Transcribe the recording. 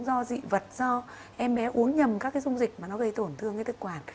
do dị vật do em bé uống nhầm các cái dung dịch mà nó gây tổn thương cái thực quản